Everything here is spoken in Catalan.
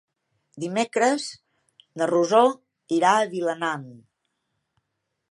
Dimecres na Rosó irà a Vilanant.